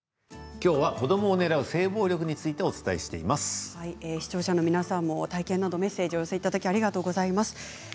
きょうは子どもを狙う視聴者の皆さんも体験などメッセージをお寄せいただきありがとうございます。